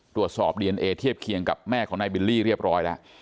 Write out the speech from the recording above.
ตรวจสอบดีเอนเอเทียบเคียงกับแม่ของนายบิลลี่เรียบร้อยแล้ว